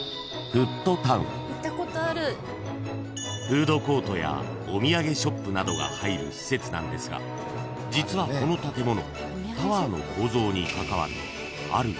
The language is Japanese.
［フードコートやお土産ショップなどが入る施設なんですが実はこの建物タワーの構造に関わる］